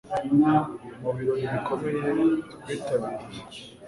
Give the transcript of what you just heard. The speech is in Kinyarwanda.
mu birori bikomeye twitabiriye